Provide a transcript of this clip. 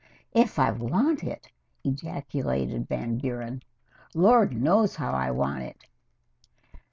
"If I want it!" ejaculated Van Buren. "Lord knows how I want it!"